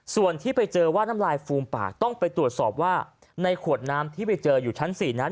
ส่วนที่ไปเจอว่าน้ำลายฟูมปากต้องไปตรวจสอบว่าในขวดน้ำที่ไปเจออยู่ชั้น๔นั้น